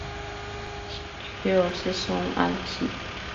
Georges Sound, al St.